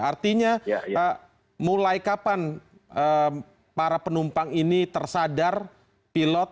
artinya mulai kapan para penumpang ini tersadar pilot